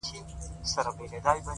هره ستونزه د فکر د بدلون لامل ده’